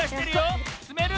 つめる？